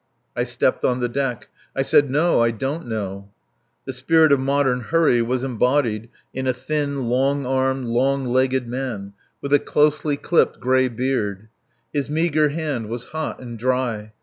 I stepped on the deck. I said "No! I don't know." The spirit of modern hurry was embodied in a thin, long armed, long legged man, with a closely clipped gray beard. His meagre hand was hot and dry.